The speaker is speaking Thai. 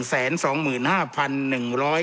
จำนวนเนื้อที่ดินทั้งหมด๑๒๒๐๐๐ไร่